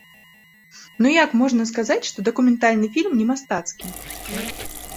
Ну як можна сказаць, што дакументальны фільм не мастацкі?!